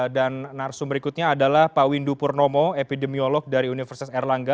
dan narasumber berikutnya adalah pak windu purnomo epidemiolog dari universitas erlangga